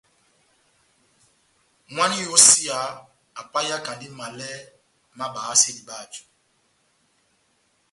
Mwána wa iyósiya apahiyakandi malɛ má bayasedi báju.